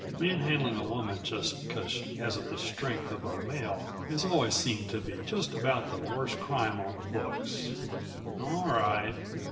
Manhandling a woman just because she hasn't the strength of a male has always seemed to be just about the worst crime on the books. All right